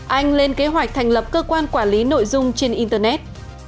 anh lên kế hoạch thành lập cơ quan quản lý nội dung trên internet